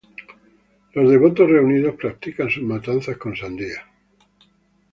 Los devotos reunidos practican sus matanzas con sandías.